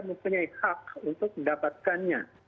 mempunyai hak untuk mendapatkan